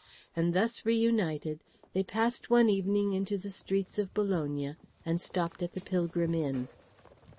And thus reunited they passed one evening into the streets of Bologna and stopped at the Pilgrim Inn.